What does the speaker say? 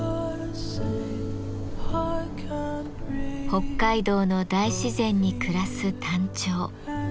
北海道の大自然に暮らすタンチョウ。